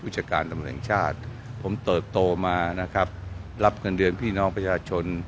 จากการตำรวจแห่งชาติผมเติบโตมานะครับรับเงินเดือนพี่น้องประชาชน